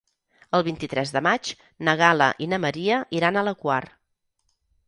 El vint-i-tres de maig na Gal·la i na Maria iran a la Quar.